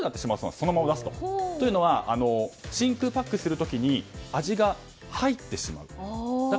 そのまま出すと。というのは真空パックする時に味が入ってしまう。